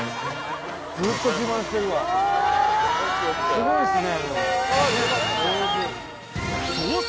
すごいですね。